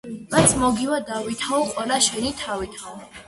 რაც მოგივა დავითაო, ყველა შენი თავითაო.